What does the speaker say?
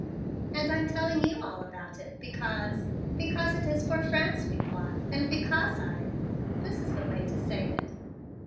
And I'm telling you all about it, because because it is for France we plot and because I this is the way to say it."